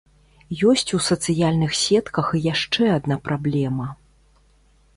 Ёсць у сацыяльных сетках і яшчэ адна праблема.